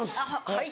はい。